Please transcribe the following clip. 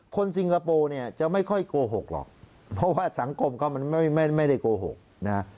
ซิงคโปร์เนี่ยจะไม่ค่อยโกหกหรอกเพราะว่าสังคมเขามันไม่ได้โกหกนะ